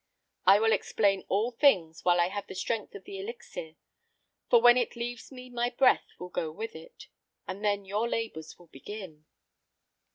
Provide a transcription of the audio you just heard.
I will explain all things while I have the strength of the elixir, for when it leaves me my breath will go with it, and then your labors will begin."